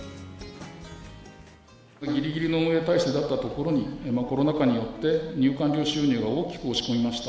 ぎりぎりの運営体制だったところに、コロナ禍によって入館料収入が大きく落ち込みました。